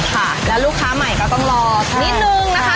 ค่ะแล้วลูกค้าใหม่ก็ต้องรอนิดนึงนะคะ